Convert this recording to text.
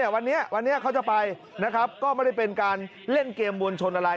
วันนี้วันนี้เขาจะไปนะครับก็ไม่ได้เป็นการเล่นเกมมวลชนอะไร